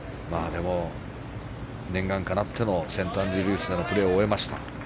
でも、念願かなってのセントアンドリュースでのプレーを終えました。